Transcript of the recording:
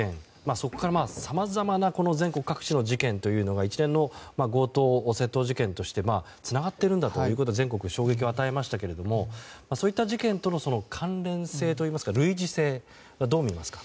そこからさまざまな全国各地の事件というのが一連の強盗窃盗事件としてつながっているんだということで全国に衝撃を与えましたけどそういった事件との関連性といいますか類似性はどうみますか？